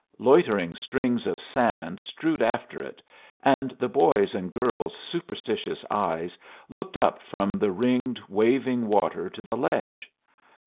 Loitering strings of sand strewed after it, and the boy's and girl's superstitious eyes looked up from the ringed, waving water to the ledge.